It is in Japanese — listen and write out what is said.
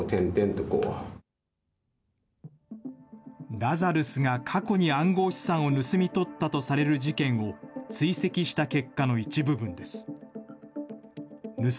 ラザルスが過去に暗号資産を盗み取ったとされる事件を追跡した結果の一部分です。